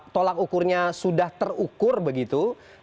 tolak ukurnya sudah terukur begitu